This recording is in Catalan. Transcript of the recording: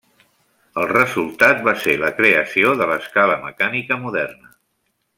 El resultat va ser la creació de l'escala mecànica moderna.